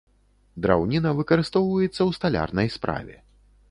Драўніна выкарыстоўваецца ў сталярнай справе.